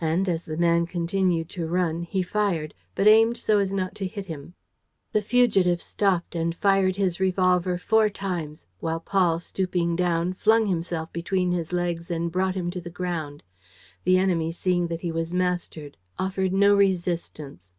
And, as the man continued to run, he fired, but aimed so as not to hit him. The fugitive stopped and fired his revolver four times, while Paul, stooping down, flung himself between his legs and brought him to the ground. The enemy, seeing that he was mastered, offered no resistance.